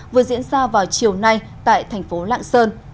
vừa diễn ra vào chiều nay tại thành phố lạng sơn